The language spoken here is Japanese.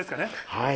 はい。